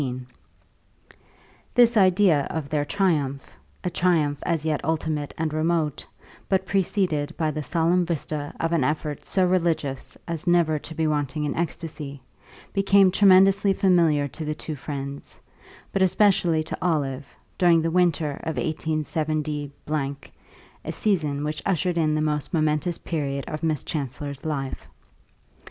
XIX This idea of their triumph, a triumph as yet ultimate and remote, but preceded by the solemn vista of an effort so religious as never to be wanting in ecstasy, became tremendously familiar to the two friends, but especially to Olive, during the winter of 187 , a season which ushered in the most momentous period of Miss Chancellor's life.